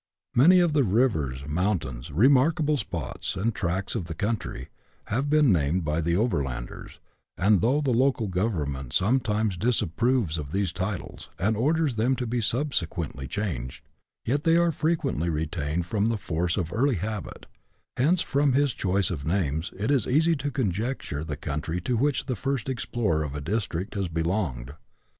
Many of the rivers, mountains, remarkable spots, and tracts of country, have been named by the overlanders ; and though the local government sometimes disapproves of these titles, and orders them to be subsequently changed, yet they are frequently retained from the force of early habit ; hence, from his choice of names, it is easy to conjecture the country to which the first explorer of a district has belonged.